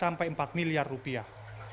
biayanya mencapai tiga empat miliar rupiah